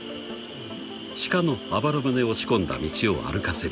［シカのあばら骨を仕込んだ道を歩かせる］